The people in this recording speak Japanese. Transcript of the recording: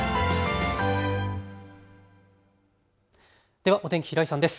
ではお天気、平井さんです。